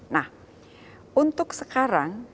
nah untuk sekarang